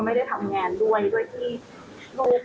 เพราะว่ามันหวั่นตรงนี้มาก